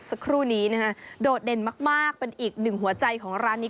สักครู่นี้นะฮะโดดเด่นมากเป็นอีกหนึ่งหัวใจของร้านนี้